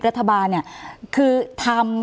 รัฐบาลเนี่ยคือทำ